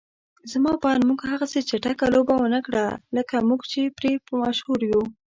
زما په اند موږ هغسې چټکه لوبه ونکړه لکه موږ چې پرې مشهور يو.